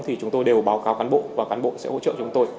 thì chúng tôi đều báo cáo cán bộ và cán bộ sẽ hỗ trợ chúng tôi